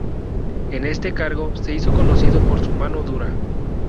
En este cargo, se hizo conocido por su mano dura.